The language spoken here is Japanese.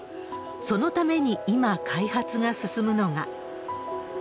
そのために今、開発が進むのが。